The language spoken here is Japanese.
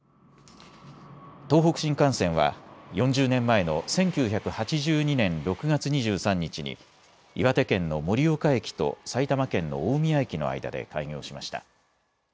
東北新幹線は４０年前の１９８２年６月２３日に岩手県の盛岡駅と埼玉県の大宮駅の間で開業しました。